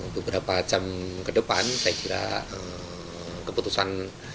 beberapa jam ke depan saya kira keputusan